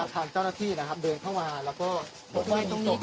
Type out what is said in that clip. ทางเจ้าหน้าที่นะครับเดินเข้ามาแล้วก็